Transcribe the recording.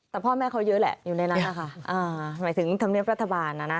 แต่พ่อแม่เขาเยอะแหละอยู่ในนั้นนะคะ